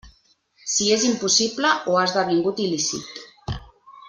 Si és impossible o ha esdevingut il·lícit.